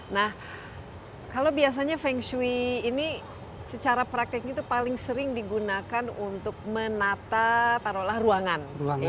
nah kalau biasanya feng shui ini secara praktik itu paling sering digunakan untuk menata taruhlah ruangan